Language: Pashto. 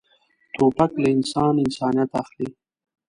توپک له انسان انسانیت اخلي.